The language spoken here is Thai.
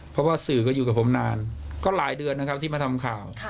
เพราะว่าสื่อก็อยู่กับผมนานก็หลายเดือนนะครับที่มาทำข่าว